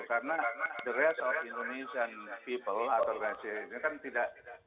karena the reds of indonesian people atau raciel ini kan tidak